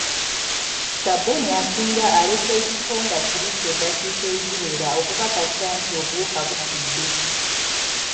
Ssabbuni asinga aleka ekifo nga kibiisi edakiika eziwela okukakasa nti obuwuka bufudde.